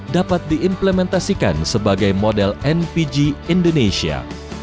dapat diimplementasikan sebagai model npg indonesia